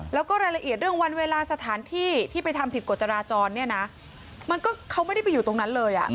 แล้วก็รายละเอียดเรื่องวันเวลาสถานที่ที่ไปทำผิดกฎจราจรเนี่ยนะมันก็เขาไม่ได้ไปอยู่ตรงนั้นเลยอ่ะ